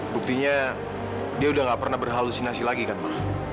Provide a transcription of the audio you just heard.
buktinya dia udah nggak pernah berhalusinasi lagi kan ma